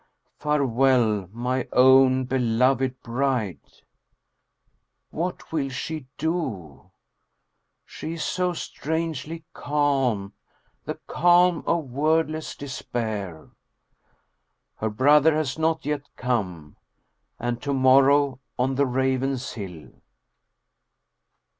Farewell, my own beloved bride. ... What will she do? she is so strangely calm the calm of wordless despair. Her brother has not yet come, and to morrow on the Ravenshill